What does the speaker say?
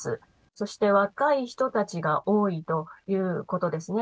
そして、若い人たちが多いということですね。